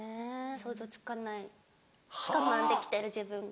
想像つかない我慢できてる自分が。